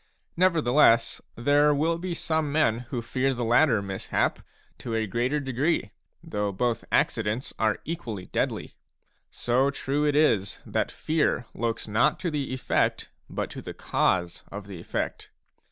Nevertheless, there will be some men who fear the latter mishap to a greater degree, though both accidents are equally deadly ; so true it is that fear looks not to the effect, but to the cause of the effect.